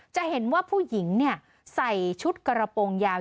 จะเห็นว่าผู้หญิงใส่ชุดกระโปรงยาว